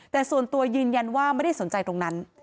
แต่ส่วนตัวยืนยันว่าไม่ได้สนใจตรงนั้น